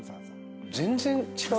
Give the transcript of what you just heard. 全然違う。